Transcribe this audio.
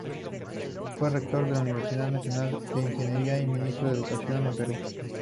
Fue rector de la Universidad Nacional de Ingeniería y Ministro de Educación del Perú.